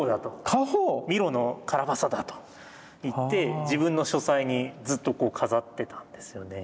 家宝⁉「ミロのカラバサだ」と言って自分の書斎にずっと飾ってたんですよね。